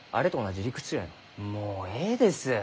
もうえいです。